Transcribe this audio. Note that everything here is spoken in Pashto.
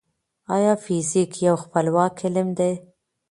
ايا فزيک يو خپلواک علم دی؟